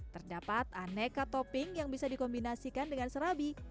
terdapat aneka topping yang bisa dikombinasikan dengan serabi